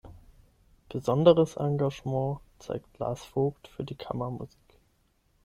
Besonderes Engagement zeigt Lars Vogt für die Kammermusik.